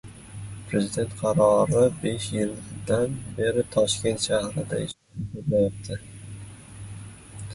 Prezident qarori besh yildan beri Toshkent shahrida ijro etilmayapti